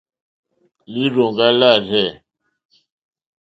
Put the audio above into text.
Lírzòŋɡá lârzɛ̂.